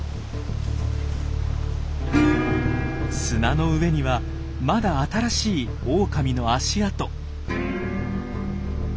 砂の上にはまだ新しいオオカミの足跡。